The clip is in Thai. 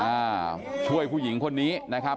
อ่าช่วยผู้หญิงคนนี้นะครับ